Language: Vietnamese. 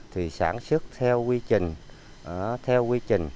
thì sản xuất theo quy trình